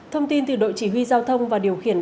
thông tin từ đội chỉ huy giao thông và điều khiển